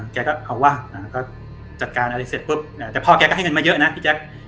แกก็เอาว่าแต่พ่อแกก็ให้เงินมีเยอะนะพี่แจ๊ก